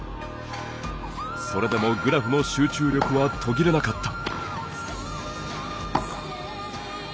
それでもグラフの集中力は途切れなかった。